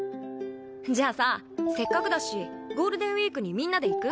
じゃあさせっかくだしゴールデンウィークにみんなで行く？